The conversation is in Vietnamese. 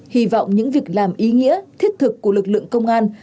hy vọng những việc làm ý nghĩa thiết thực của lực lượng công an